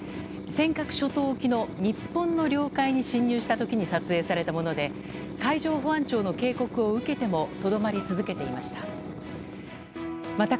尖閣諸島沖の日本の領海に侵入したときに撮影されたもので海上保安庁の警告を受けてもとどまり続けていました。